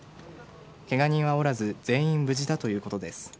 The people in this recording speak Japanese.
けが人はおらず全員無事だということです。